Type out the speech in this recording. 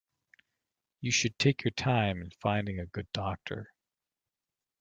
You should take your time in finding a good doctor.